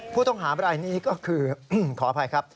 ผู้ต้องหาบรายนี้ก็คือขออภัยครับ